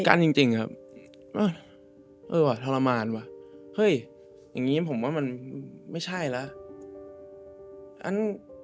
กันจริงจริงครับเออว่ะทรมานว่ะเฮ้ยอย่างงี้ผมว่ามันไม่ใช่แล้วอัน